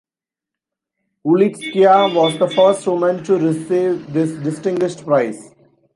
Ulitskaya was the first woman to receive this distinguished prize.